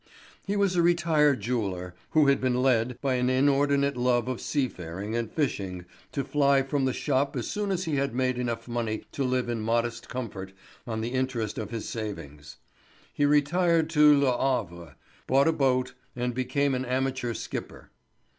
He was a retired jeweller who had been led by an inordinate love of seafaring and fishing to fly from the shop as soon as he had made enough money to live in modest comfort on the interest of his savings. He retired to le Havre, bought a boat, and became an amateur skipper.